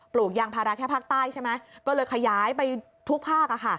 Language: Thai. ลูกยางพาราแค่ภาคใต้ใช่ไหมก็เลยขยายไปทุกภาค